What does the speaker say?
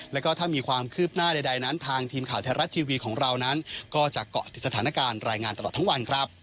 แล้วก็ถ้ามีความคืบหน้าใดนั้นทางทีมข่าวไทยรัฐทีวีของเรานั้นก็จะเกาะติดสถานการณ์รายงานตลอดทั้งวันครับ